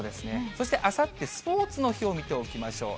そしてあさって、スポーツの日を見ておきましょう。